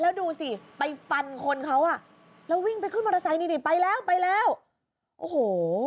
แล้วดูสิไปฟันคนเขาอ่ะแล้ววิ่งไปขึ้นมอเตอร์ไซค์นี่ดิไปแล้วไปแล้วโอ้โห